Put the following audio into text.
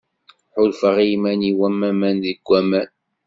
Ḥulfaɣ i yiman-iw am waman deg waman.